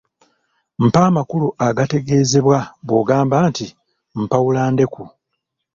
Mpa amakulu agategeezebwa bw’ogamba nti mpawula ndeku.